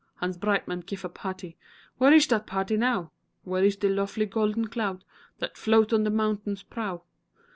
Hans Breitmann gife a barty Where ish dat barty now! Where ish de lofely golden cloud Dat float on de mountain's prow?